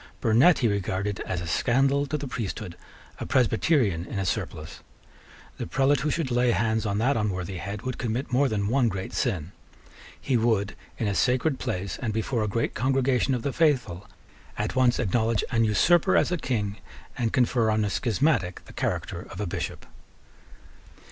Burnet he regarded as a scandal to the priesthood, a Presbyterian in a surplice. The prelate who should lay hands on that unworthy head would commit more than one great sin. He would, in a sacred place, and before a great congregation of the faithful, at once acknowledge an usurper as a King, and confer on a schismatic the character of a Bishop.